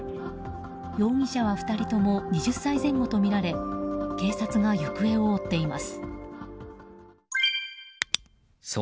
容疑者は２人とも２０歳前後とみられ警察が行方を追っています。